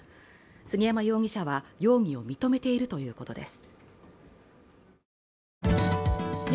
杉山容疑者は容疑を認めているということです。